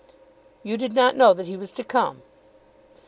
"You did not know that he was to come?"